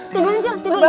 tidur cil tidur tidur